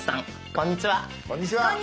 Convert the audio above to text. こんにちは。